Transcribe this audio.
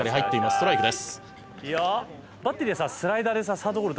ストライクです」